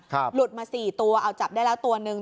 หลุดมาสี่ตัวเอาจับได้แล้วตัวหนึ่ง